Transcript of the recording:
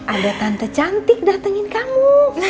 ada tante cantik datangin kamu